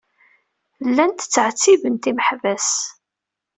Llant ttɛettibent imeḥbas.